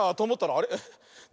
あれ？